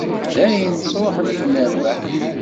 D ayen sruḥen i d-nerbeḥ.